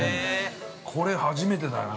◆これ、初めてだよな